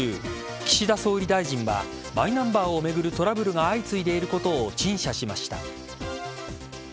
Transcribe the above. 岸田総理大臣はマイナンバーを巡るトラブルが相次いでいることを陳謝しました。